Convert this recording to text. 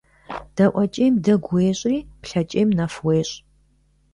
ДаӀуэкӀейм дэгу уещӀри, плъэкӀейм нэф уещӀ.